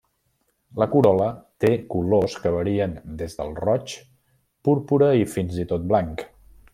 La corol·la té colors que varien des del roig, púrpura i fins i tot blanc.